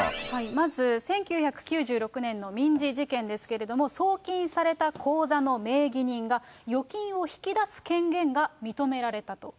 まず１９９６年の民事事件ですけれども、送金された口座の名義人が預金を引き出す権限が認められたと。